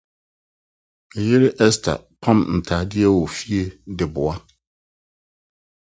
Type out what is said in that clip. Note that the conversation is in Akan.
Me yere Esther pam ntade wɔ fie de boa.